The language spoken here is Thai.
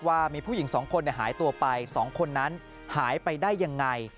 ว่ามีผู้หญิง๒คนหายตัวไป๒คนนั้นหายไปได้ยังไง